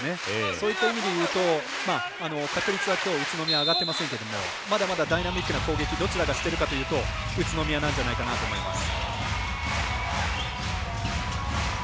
そういった意味でいうと確率は宇都宮まだ上がっていませんがまだまだダイナミックな攻撃どちらがしているかというと宇都宮だと思います。